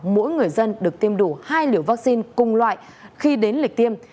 mỗi người dân được tiêm đủ hai liều vaccine cùng loại khi đến lịch tiêm